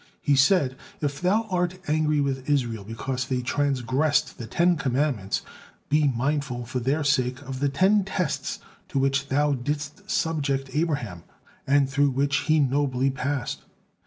H said: "If Thou art angry with Israel because they transgressed the Ten Commandments, be mindful for their sake of the ten tests to which Thou didst subject Abraham, and through which he nobly passed.